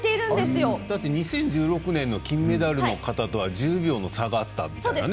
２０１６年の金メダルの方とは１０秒差があったと。